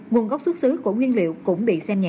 nguồn gốc xuất xứ của nguyên liệu cũng bị xem nhẹ